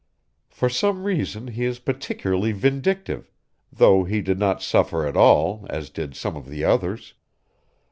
For some reason, he is particularly vindictive, though he did not suffer at all, as did some of the others.